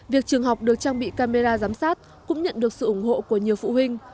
việc trường học được trang bị camera giám sát cũng nhận được sự ủng hộ của nhiều phụ huynh